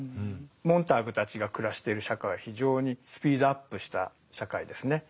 モンターグたちが暮らしてる社会は非常にスピードアップした社会ですね。